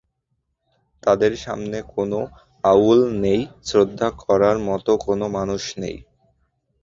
তাদের সামনে কোনো আইডল নেই, শ্রদ্ধা করার মতো কোনো মানুষ নেই।